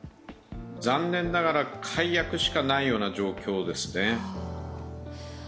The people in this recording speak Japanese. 残念ながら、改悪しかないような状況ですね。